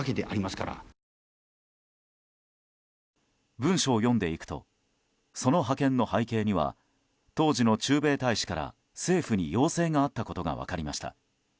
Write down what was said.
文書を読んでいくとその派遣の背景には当時の駐米大使から政府に要請があったことが分かりました。